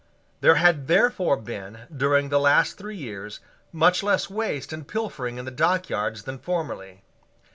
There had therefore been, during the last three years, much less waste and pilfering in the dockyards than formerly.